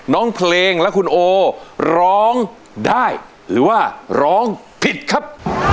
น้องเพลงและคุณโอร้องได้หรือว่าร้องผิดครับ